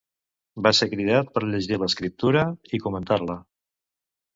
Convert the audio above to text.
Va ser cridat per llegir l'Escriptura i comentar-la.